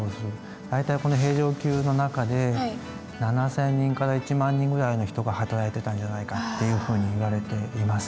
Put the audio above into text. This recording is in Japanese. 大体この平城宮の中で７，０００人から１万人ぐらいの人が働いてたんじゃないかっていうふうにいわれています。